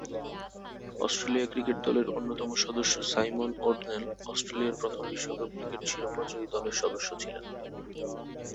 Australia cricket দলের অন্যতম সদস্য সাইমন ও’ডনেল অস্ট্রেলিয়ার প্রথম বিশ্বকাপ ক্রিকেট শিরোপা জয়ী দলের সদস্য ছিলেন।